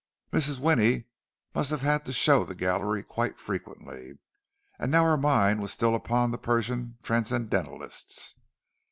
Mrs. Winnie must have had to show the gallery quite frequently; and now her mind was still upon the Persian transcendentalists.